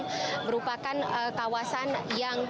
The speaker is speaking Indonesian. yang merupakan kawasan yang